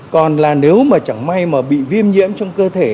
còn là nếu mà chẳng may mà bị viêm nhiễm trong cơ thể